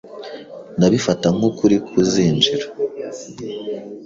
Ndabifata nk'ukuri ko uzinjira.